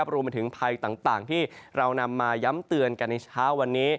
รวมไปถึงภัยต่างที่เรานำมาย้ำเตือนกันในเช้าวันนี้